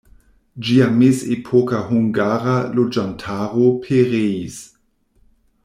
Ĝia mezepoka hungara loĝantaro pereis.